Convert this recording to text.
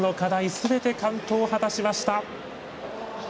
すべて完登を果たしました。